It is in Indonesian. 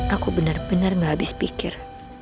aku benar benar gak habis pikir